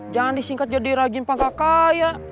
jangan disingkat jadi rajin pangkal kaya